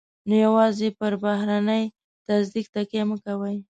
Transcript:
نو يوازې پر بهرني تصديق تکیه مه کوئ.